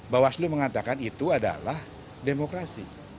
bawaslu mengatakan itu adalah demokrasi